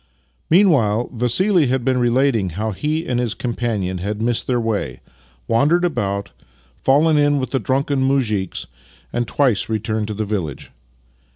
Meanwhile, Vassili had been relating how he and his companion had missed their way, wandered about, fallen in with the drunken muzhiks, and twice returned to the village.